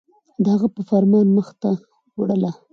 د هغه په فرمان مخ ته وړله